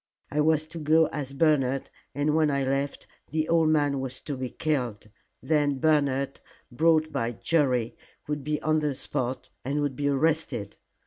I was to go as Bernard, and when I left, the old man was to be killed. Then Bernard, brought by Jerry, would be on the spot and would be arrested."